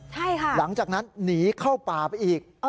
ใช่ค่ะหลังจากนั้นหนีเข้าป่าไปอีก